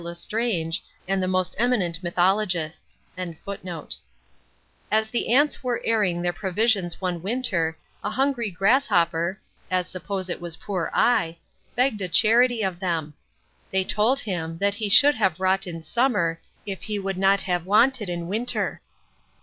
L'Estrange, and the most eminent mythologists.] 'As the ants were airing their provisions one winter, a hungry grasshopper (as suppose it was poor I) begged a charity of them. They told him, That he should have wrought in summer, if he would not have wanted in winter.